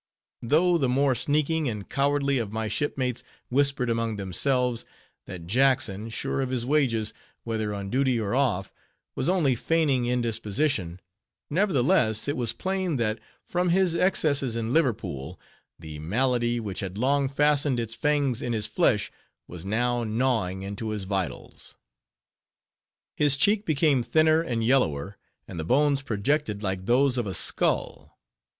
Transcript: Though the more sneaking and cowardly of my shipmates whispered among themselves, that Jackson, sure of his wages, whether on duty or off, was only feigning indisposition, nevertheless it was plain that, from his excesses in Liverpool, the malady which had long fastened its fangs in his flesh, was now gnawing into his vitals. His cheek became thinner and yellower, and the bones projected like those of a skull.